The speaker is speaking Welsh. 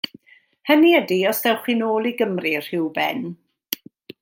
Hynny ydi os ddewch chi nôl i Gymru rhyw ben.